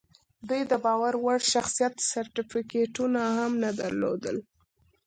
دوی د باور وړ شخصیت سرټیفیکټونه هم نه درلودل